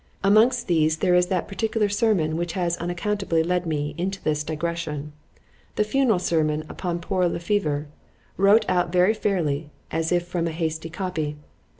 Amongst these, there is that particular sermon which has unaccountably led me into this digression——The funeral sermon upon poor Le Fever, wrote out very fairly, as if from a hasty copy.